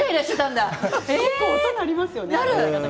結構、音が鳴りますよね。